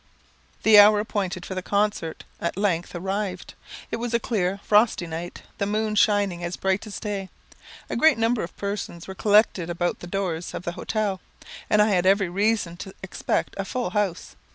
The hour appointed for the concert at length arrived. It was a clear, frosty night, the moon shining as bright as day. A great number of persons were collected about the doors of the hotel, and I had every reason to expect a full house.